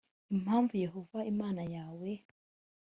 impamvu yehova imana yawe